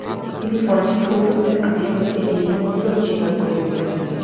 তিনি ফরাসী সৌজন্যের আতিশয্যে এই নিমন্ত্রণ স্বীকার করে নিলেন।